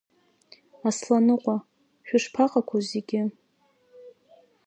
Асланыҟәа, шәышԥаҟақәоу зегьы?